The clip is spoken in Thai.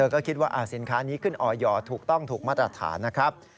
ก็คิดว่าสินค้านี้ขึ้นออยถูกต้องถูกมาตรฐานนะครับ